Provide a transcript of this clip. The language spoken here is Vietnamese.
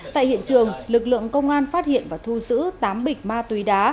tại hiện trường lực lượng công an phát hiện và thu giữ tám bịch ma túy đá